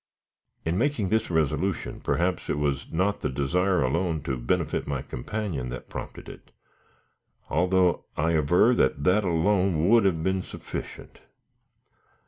In making this resolution, perhaps it was not the desire alone to benefit my companion that prompted it, although I aver that that alone would have been sufficient.